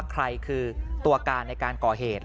ใครคือตัวการในการก่อเหตุ